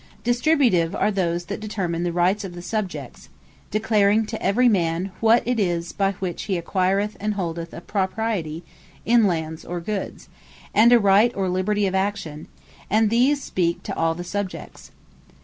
Distributive are those that determine the Rights of the Subjects, declaring to every man what it is, by which he acquireth and holdeth a propriety in lands, or goods, and a right or liberty of action; and these speak to all the Subjects.